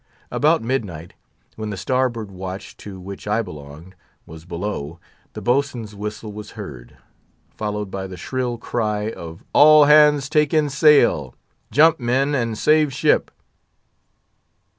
About midnight, when the starboard watch, to which, I belonged, was below, the boatswain's whistle was heard, followed by the shrill cry of "All hands take in sail! jump, men, and save ship!"